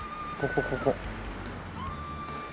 ここここ。